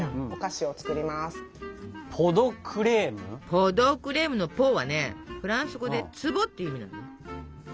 ポ・ド・クレームの「ポ」はねフランス語で「壺」っていう意味なのね。